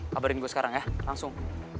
kabarin gue sekarang ya langsung